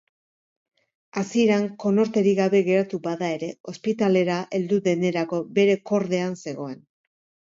Hasieran konorterik gabe geratu bada ere, ospitalera heldu denerako bere kordean zegoen.